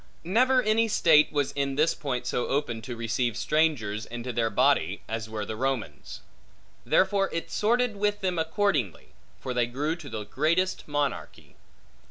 Never any state was in this point so open to receive strangers into their body, as were the Romans. Therefore it sorted with them accordingly; for they grew to the greatest monarchy.